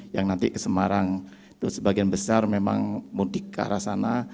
yang nanti ke semarang itu sebagian besar memang mudik ke arah sana